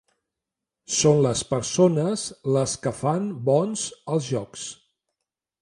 Són les persones les que fan bons els jocs.